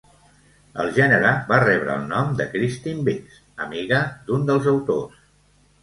El gènere va rebre el nom de Christine Biggs, amiga d'un dels autors.